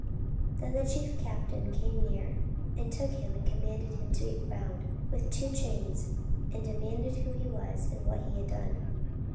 44:021:033 Then the chief captain came near, and took him, and commanded him to be bound with two chains; and demanded who he was, and what he had done.